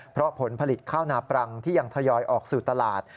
เพราะผลผลิตข้าวนาปรังที่ยังทยอยออกสู่ตลาด